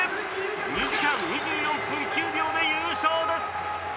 ２時間２４分９秒で優勝です。